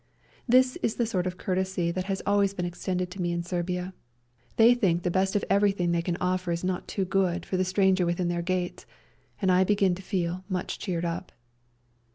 This is the sort of courtesy that has always been extended to me in Serbia ; they think the best of everything they can offer is not too good for the 12 REJOINING THE SERBIANS stranger within their gates, and I began to feel much cheered up.